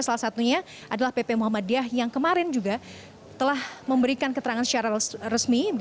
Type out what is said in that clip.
salah satunya adalah pp muhammadiyah yang kemarin juga telah memberikan keterangan secara resmi